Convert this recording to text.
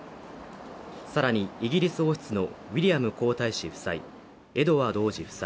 さらに、イギリス王室のウィリアム皇太子夫妻、エドワード王子夫妻